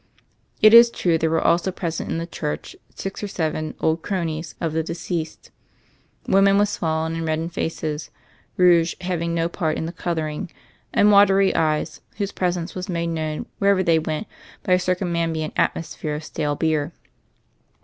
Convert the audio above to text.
It is true there were also present in the church six or seven old cronies" of the deceased, women with swollen and red dened faces, rouge having no part in the color ing, and watery eyes, whose presence was made known wherever they went by a circumambient atmosphere of stale beer.